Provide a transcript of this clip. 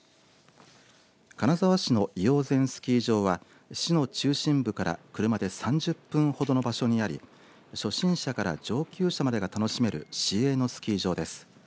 金沢市の医王山スキー場は市の中心部から車でおよそ３０分ほどの場所にあり初心者から上級者までが楽しめる市営のスキー場です。